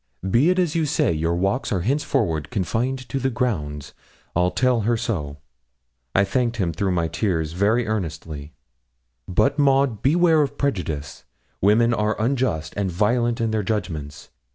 Be it as you say; your walks are henceforward confined to the grounds; I'll tell her so.' I thanked him through my tears very earnestly. 'But, Maud, beware of prejudice; women are unjust and violent in their judgments.